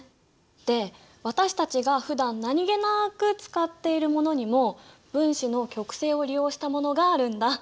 で私たちがふだん何気なく使っているものにも分子の極性を利用したものがあるんだ。